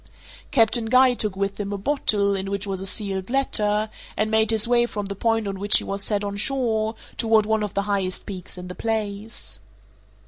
Captain Guy took with him a bottle, in which was a sealed letter, and made his way from the point on which he was set on shore toward one of the highest peaks in the place.